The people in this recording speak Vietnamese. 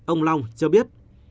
ông long cho biết